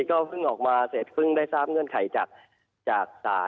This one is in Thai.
ก็เพิ่งออกมาเสร็จเพิ่งได้ทราบเงื่อนไขจากศาล